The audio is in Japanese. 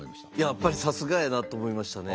やっぱりさすがやなと思いましたね。